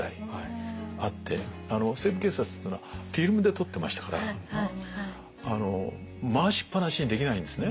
「西部警察」っていうのはフィルムで撮ってましたから回しっ放しにできないんですね。